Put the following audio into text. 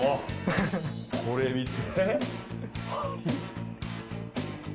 これ見て。